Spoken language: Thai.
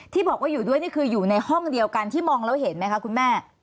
ที่บอกว่าอยู่ด้วยนี่คืออยู่ในห้องเดียวกันที่มองแล้วเห็นไหมคะคุณแม่